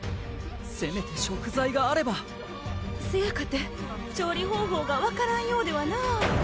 せめて食材があればせやかて調理方法が分からんようではな